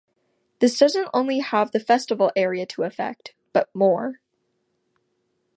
This doesn't only have the festival area to affect, but more.